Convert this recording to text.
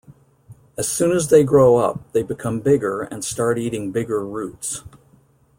As soon as they grow up they become bigger and start eating bigger roots.